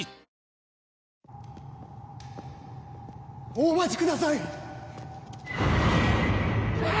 お待ちください！